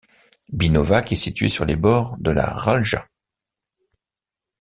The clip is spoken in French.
Binovac est situé sur les bords de la Ralja.